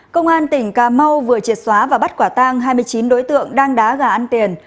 công an tỉnh cà mau vừa triệt xóa và bắt quả tang hai mươi chín đối tượng đang đá gà ăn tiền